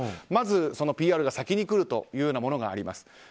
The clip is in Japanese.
まず、ＰＲが先にくるというものがあります。